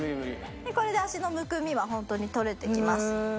これで足のむくみは本当に取れてきます。